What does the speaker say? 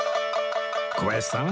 小林さん